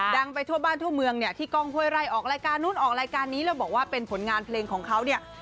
ไปทั่วบ้านทั่วเมืองเนี่ยที่กล้องห้วยไร่ออกรายการนู้นออกรายการนี้แล้วบอกว่าเป็นผลงานเพลงของเขาเนี่ย